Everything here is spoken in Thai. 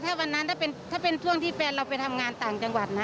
ถ้าวันนั้นถ้าเป็นช่วงที่แฟนเราไปทำงานต่างจังหวัดนะ